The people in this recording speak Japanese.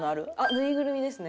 ぬいぐるみですね。